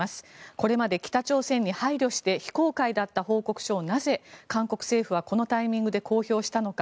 これまで北朝鮮に配慮して非公開だった報告書をなぜ韓国政府はこのタイミングで公表したのか。